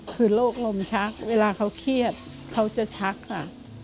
คือโรคลมชักเวลาเขาเครียดเขาจะชักค่ะ